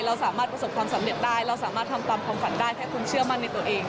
เราสามารถประสบความสำเร็จได้เราสามารถทำตามความฝันได้แค่คุณเชื่อมั่นในตัวเอง